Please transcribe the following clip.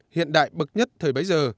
hiện đại bậc nhất thời bấy giờ